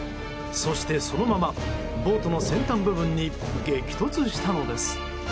そして、そのままボートの先端部分に激突したのです。